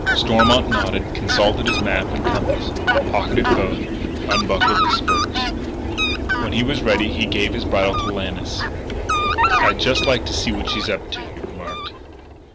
Stormont nodded, consulted his map and compass, pocketed both, unbuckled his spurs. When he was ready he gave his bridle to Lannis. "I'd just like to see what she's up to," he remarked.